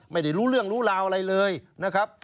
ไม่รู้เรื่องรู้ราวอะไรเลยนะครับ